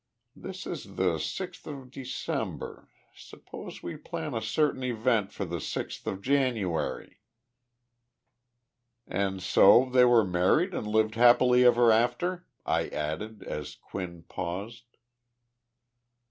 This is the sixth of December. Suppose we plan a certain event for the sixth of January?" "And so they were married and lived happily ever after?" I added, as Quinn paused.